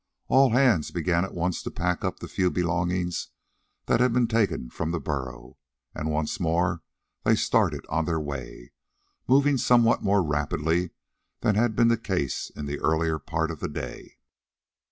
All hands began at once to pack up the few belongings that had been taken from the burro, and once more they started on their way, moving somewhat more rapidly than had been the case in the early part of the day.